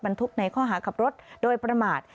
ทุกในข้อหาขับรถโดยประมาท